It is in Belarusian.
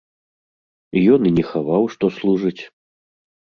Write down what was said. Ён і не хаваў, што служыць.